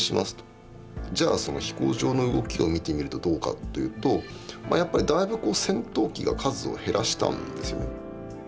じゃあその飛行場の動きを見てみるとどうかというとやっぱりだいぶ戦闘機が数を減らしたんですよね。